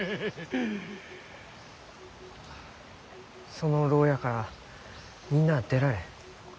その牢屋からみんなあ出られん。